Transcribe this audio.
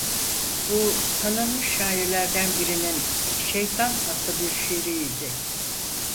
Bu, tanınmış şairlerden birinin "Şeytan" adlı bir şiiri idi.